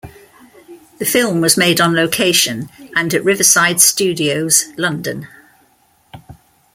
The film was made on location and at Riverside Studios, London.